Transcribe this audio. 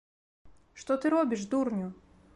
Што ты робіш, дурню?!